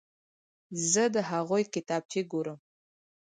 زه د هغوی کتابچې ګورم.